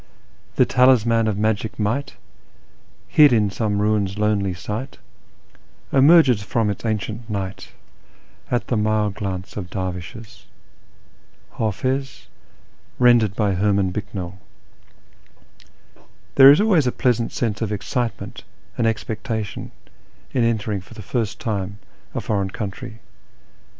"" The talisman of magic might, hid in some ruin's lonely site, Emerges from its ancient night at the mild glance of dervishes." (Hdfiz, rendered by Herman Bicknell.) There is always a pleasant sense of excitement and expecta tion in entering for the first time a foreign country.